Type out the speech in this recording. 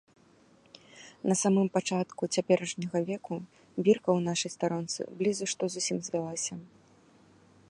На самым пачатку цяперашняга веку бірка ў нашай старонцы блізу што зусім звялася.